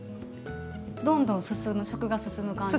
どんどん食が進む感じ。